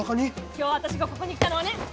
今日私がここに来たのはね！